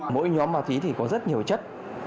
mỗi nhóm ma túy thì có rất nhiều chất